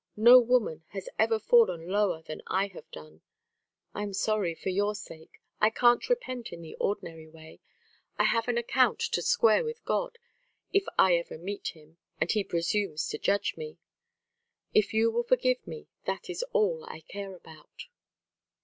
No woman has ever fallen lower than I have done. I am sorry, for your sake; I can't repent in the ordinary way. I have an account to square with God, if I ever meet Him and He presumes to judge me. If you will forgive me, that is all that I care about."